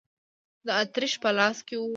د اتریش په لاس کې و.